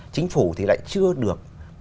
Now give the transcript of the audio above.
chính phủ thì lại chưa được